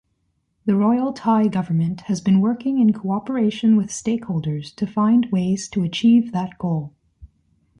The Royal Thai Government has been working in cooperation with stakeholders to find ways to achieve that goal.